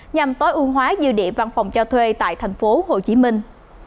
nhằm tối ưu hóa dư địa văn phòng cho thuê tại thành phố hồ chí minh